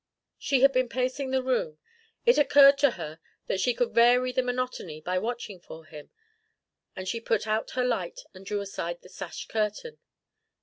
She had been pacing the room. It occurred to her that she could vary the monotony by watching for him, and she put out her light and drew aside the sash curtain.